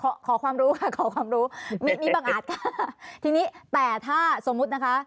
ขอขอความรู้ค่ะขอความรู้มีมีบังอาจค่ะทีนี้แต่ถ้าสมมุตินะคะ